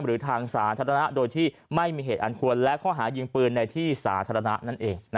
หรือทางสาธารณะโดยที่ไม่มีเหตุอันควรและข้อหายิงปืนในที่สาธารณะนั่นเอง